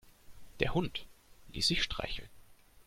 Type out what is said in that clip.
Der Hund ließ sich streicheln.